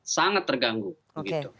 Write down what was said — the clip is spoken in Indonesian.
sangat terganggu oke